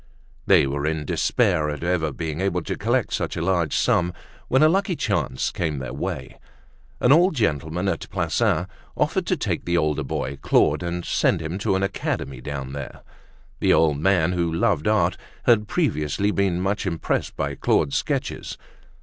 They were in despair at ever being able to collect such a large sum when a lucky chance came their way. An old gentleman at Plassans offered to take the older boy, Claude, and send him to an academy down there. The old man, who loved art, had previously been much impressed by Claude's sketches.